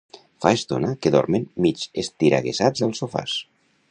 Fa estona que dormen mig estiregassats als sofàs.